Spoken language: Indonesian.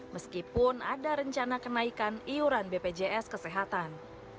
meskipun ada rencana kenaikan iuran bpjs kesehatan